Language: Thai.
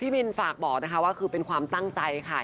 บินฝากบอกนะคะว่าคือเป็นความตั้งใจค่ะ